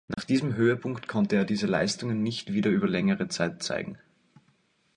Nach diesem Höhepunkt konnte er diese Leistungen nicht wieder über längere Zeit zeigen.